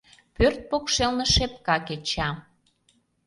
Пӧрт покшелне шепка кеча.